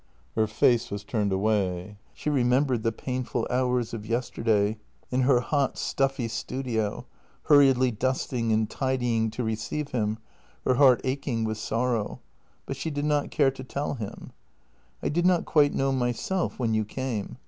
Her face was turned away; she remembered the painful hours of yesterday in her hot, stuffy studio, hurriedly dusting and tidying to receive him, her heart aching with sorrow; but she did not care to tell him: " I did not quite know myself — when you came.